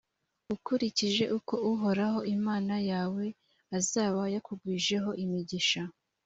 ukurikije uko uhoraho imana yawe azaba yakugwijeho imigisha.